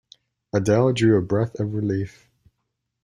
Adele drew a breath of relief.